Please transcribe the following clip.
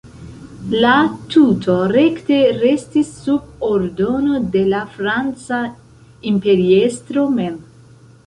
La tuto rekte restis sub ordono de la franca imperiestro mem.